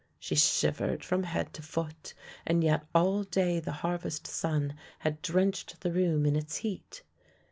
She shivered from head to foot, and yet all day the harvest sun had drenched the room in its heat.